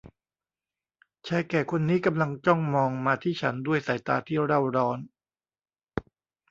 ชายแก่คนนี้กำลังจ้องมองมาที่ฉันด้วยสายตาที่เร่าร้อน